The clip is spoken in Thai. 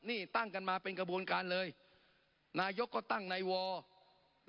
นี่ตั้งกันมาเป็นกระบวนการเลยนายกก็ตั้งนายวอร์